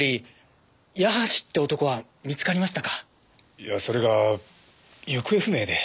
いやそれが行方不明で。